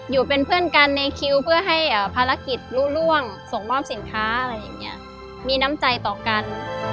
อยู่เป็นเพื่อนกันในคิวเพื่อให้ภารกิจรู้ร่วงส่งมอบสินค้าอะไรอย่างนี้มีน้ำใจต่อกัน